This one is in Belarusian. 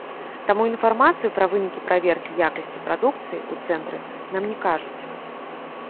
Таму інфармацыю пра вынікі праверкі якасці прадукцыі ў цэнтры нам не кажуць.